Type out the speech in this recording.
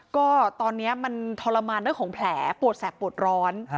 ก็ตอนนี้มันทรมานเรื่องของแผลปวดแสบปวดร้อน